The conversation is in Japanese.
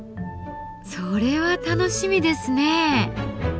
それは楽しみですねえ。